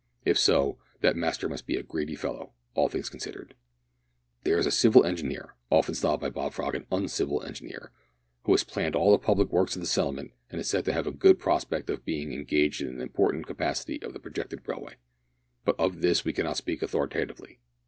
If so, that master must be a greedy fellow all things considered. There is a civil engineer often styled by Bob Frog an uncivil engineer who has planned all the public works of the settlement, and is said to have a good prospect of being engaged in an important capacity on the projected railway. But of this we cannot speak authoritatively.